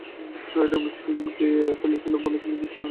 Sumo edamame শিম খেয়ে ফেলেছিল বলে তুমি জিততে পেরেছিলে।